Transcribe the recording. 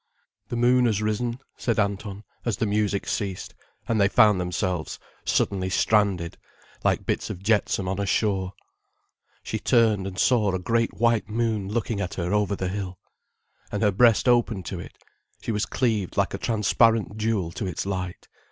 "The moon has risen," said Anton, as the music ceased, and they found themselves suddenly stranded, like bits of jetsam on a shore. She turned, and saw a great white moon looking at her over the hill. And her breast opened to it, she was cleaved like a transparent jewel to its light.